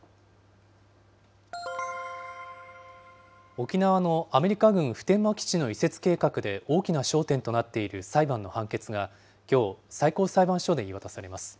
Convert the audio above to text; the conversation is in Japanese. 沖縄のアメリカ軍普天間基地の移設計画で大きな焦点となっている裁判の判決が、きょう、最高裁判所で言い渡されます。